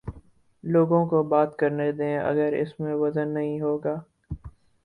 لوگوں کو بات کر نے دیں اگر اس میں وزن نہیں ہو گا۔